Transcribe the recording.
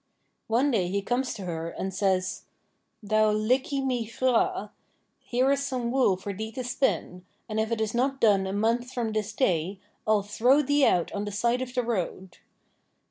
One day he comes to her, and says: 'Thou liggey my hraa, here is some wool for thee to spin, and if it is not done a month from this day, I'll throw thee out on the side of the road.